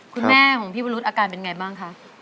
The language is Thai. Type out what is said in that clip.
คุณแม่ของพี่วรุษอาการเป็นไงบ้างคะ